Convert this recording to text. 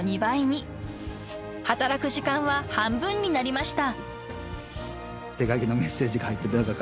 ［働く時間は半分になりました］